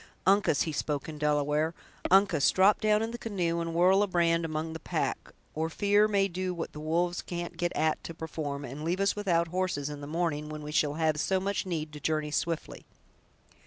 Uncas"—he spoke in Delaware—"Uncas, drop down in the canoe, and whirl a brand among the pack; or fear may do what the wolves can't get at to perform, and leave us without horses in the morning, when we shall have so much need to journey swiftly!"